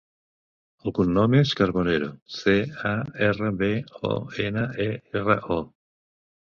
El cognom és Carbonero: ce, a, erra, be, o, ena, e, erra, o.